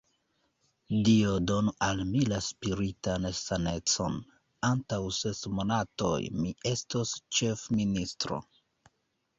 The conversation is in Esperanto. Dio donu al mi la spiritan sanecon: antaŭ ses monatoj, mi estos ĉefministro.